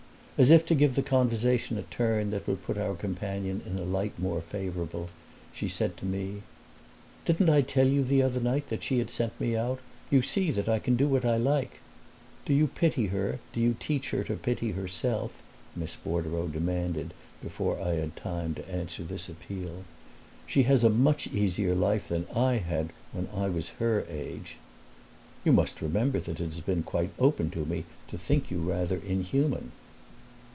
As if to give the conversation a turn that would put our companion in a light more favorable she said to me, "Didn't I tell you the other night that she had sent me out? You see that I can do what I like!" "Do you pity her do you teach her to pity herself?" Miss Bordereau demanded before I had time to answer this appeal. "She has a much easier life than I had when I was her age." "You must remember that it has been quite open to me to think you rather inhuman."